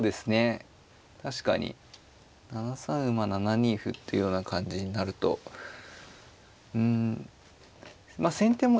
確かに７三馬７二歩というような感じになるとうんまあ先手もですね